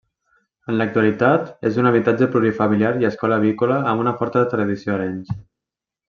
En l'actualitat és un habitatge plurifamiliar i escola avícola amb una forta tradició a Arenys.